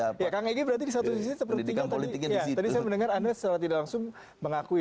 apa yang berarti satu seperti politiknya di situ mendengar anda secara tidak langsung mengakui